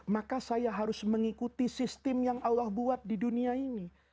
maka saya harus mengikuti sistem yang allah buat di dunia ini